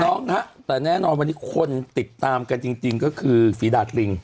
ต้องฮะแต่แน่นอนวันนี้คนติดตามกันจริงก็คือฝีดาดลิง